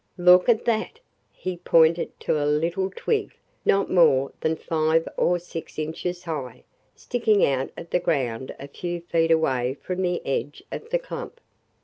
"Look at that!" He pointed to a little twig, not more than five or six inches high, sticking out of the ground a few feet away from the edge of the clump.